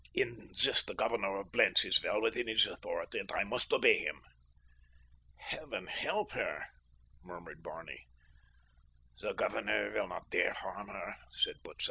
In this the governor of Blentz is well within his authority, and I must obey him." "Heaven help her!" murmured Barney. "The governor will not dare harm her," said Butzow.